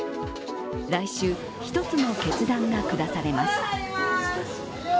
来週、一つの決断が下されます。